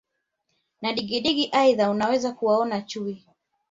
na digidigi Aidha unaweza kuwaona chui